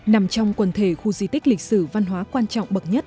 nằm trong quần thể khu di tích lịch sử văn hóa quan trọng bậc nhất